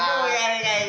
jadi kaya gini hah